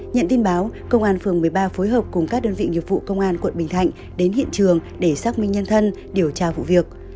nhận tin báo công an phường một mươi ba phối hợp cùng các đơn vị nghiệp vụ công an quận bình thạnh đến hiện trường để xác minh nhân thân điều tra vụ việc